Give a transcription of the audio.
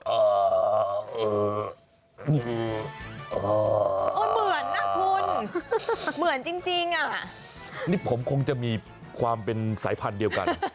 โอ้ยเหมือนนะคุณเหมือนจริงนี่ผมคงจะมีความเป็นสายพันธุ์เดียวกัน